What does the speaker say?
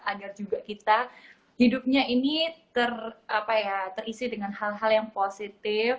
agar juga kita hidupnya ini terisi dengan hal hal yang positif